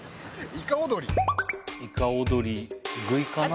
いか踊り食いかな？